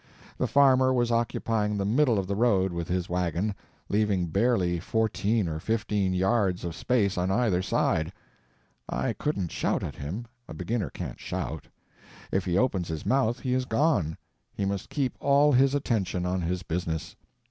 The farmer was occupying the middle of the road with his wagon, leaving barely fourteen or fifteen yards of space on either side. I couldn't shout at him—a beginner can't shout; if he opens his mouth he is gone; he must keep all his attention on his business.